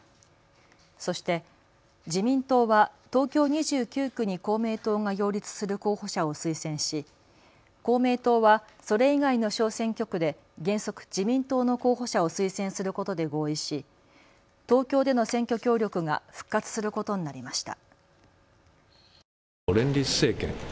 そして自民党は東京２９区に公明党が擁立する候補者を推薦し公明党はそれ以外の小選挙区で原則、自民党の候補者を推薦することで合意し東京での選挙協力が復活することになりました。